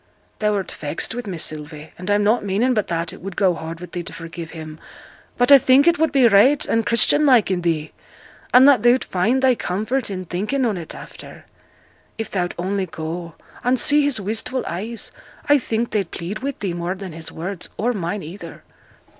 'Thou'rt vexed with me, Sylvie; and I'm not meaning but that it would go hard with thee to forgive him; but I think it would be right and Christian like i' thee, and that thou'd find thy comfort in thinking on it after. If thou'd only go, and see his wistful eyes I think they'd plead wi' thee more than his words, or mine either.'